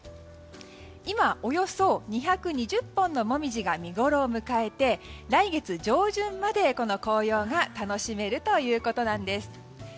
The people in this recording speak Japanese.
今、およそ２２０本のモミジが見ごろを迎えて来月上旬までこの紅葉が楽しめるということなんです。